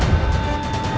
aku mau makan